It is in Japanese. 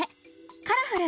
「カラフル！